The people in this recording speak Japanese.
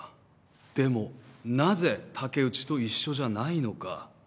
「でもなぜ竹内と一緒じゃないのか」